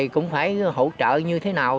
cũng phải hỗ trợ như thế nào